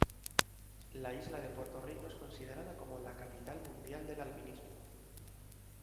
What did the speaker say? La isla de Puerto Rico es considerada como "La Capital Mundial del Albinismo".